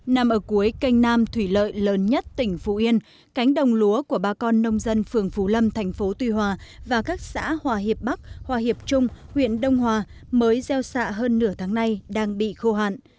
nằm ở cuối canh nam thủy lợi lớn nhất tỉnh phú yên cánh đồng lúa của bà con nông dân phường phú lâm thành phố tuy hòa và các xã hòa hiệp bắc hòa hiệp trung huyện đông hòa mới gieo xạ hơn nửa tháng nay đang bị khô hạn